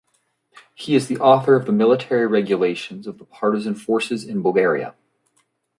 He is the author of the military regulations of the partisan forces in Bulgaria.